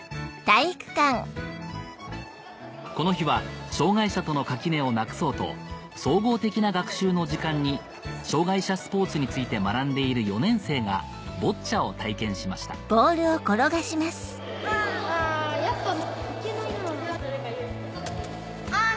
この日は障がい者との垣根をなくそうと総合的な学習の時間に障がい者スポーツについて学んでいる４年生がボッチャを体験しましたわぁ！